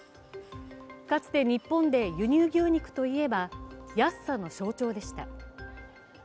かつて日本で輸入牛肉といえば安さの象徴でした。